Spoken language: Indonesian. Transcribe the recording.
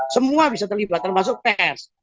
semua bisa terlibat termasuk pers